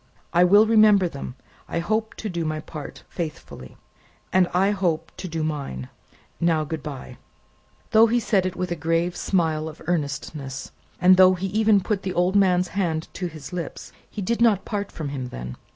"I will remember them. I hope to do my part faithfully." "And I hope to do mine. Now, good bye!" Though he said it with a grave smile of earnestness, and though he even put the old man's hand to his lips, he did not part from him then.